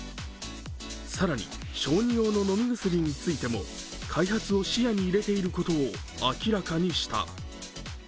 更に、小児用の飲み薬についても開発を視野に入れていることを明らかにした。